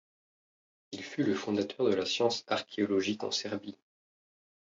Il fut le fondateur de la science archéologique en Serbie.